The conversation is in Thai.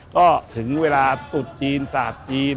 ก็ถึงเวลาตุดจีนสาดจีน